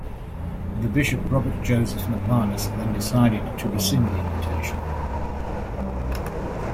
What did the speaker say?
The Bishop Robert Joseph McManus then decided to rescind the invitation.